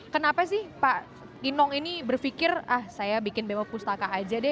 kenapa sih pak kinong ini berpikir ah saya bikin bemo pustaka aja deh